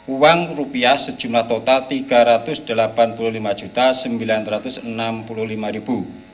uang rupiah sejumlah total rp tiga ratus delapan puluh lima sembilan ratus enam puluh lima